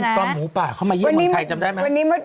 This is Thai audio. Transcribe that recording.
ตอนที่เป็นตอนหมูป่าเข้ามาเยี่ยมวันไทยจำได้ไหม